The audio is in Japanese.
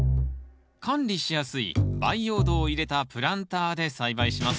管理しやすい培養土を入れたプランターで栽培します